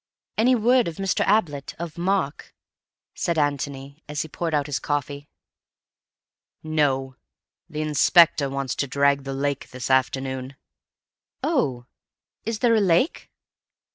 "Any word of Mr. Ablett—of Mark?" said Antony, as he poured out his coffee. "No. The inspector wants to drag the lake this afternoon." "Oh! Is there a lake?"